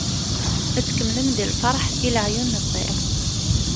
Ad tkemlem deg lferḥ, i leɛyun n ṭṭir.